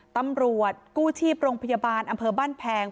ตำรวจกู้ชีพโรงพยาบาลอำเภอบ้านแพง